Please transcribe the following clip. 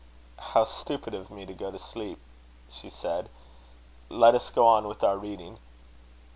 "How stupid of me to go to sleep!" she said. "Let us go on with our reading."